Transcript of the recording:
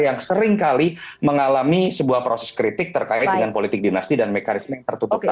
yang seringkali mengalami sebuah proses kritik terkait dengan politik dinasti dan mekanisme yang tertutup tadi